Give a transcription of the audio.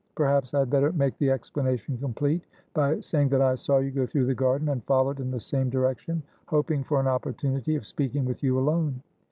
Perhaps I had better make the explanation complete by saying that I saw you go through the garden, and followed in the same direction, hoping for an opportunity of speaking with you alone."